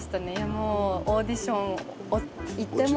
もうオーディション行っても。